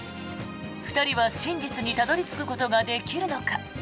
２人は真実にたどり着くことができるのか。